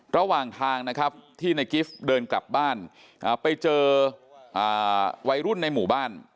ระหว่างทางนะครับที่ในกิฟต์เดินกลับบ้านไปเจอวัยรุ่นในหมู่บ้าน